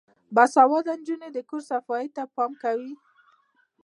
باسواده نجونې د کور صفايي ته پام کوي.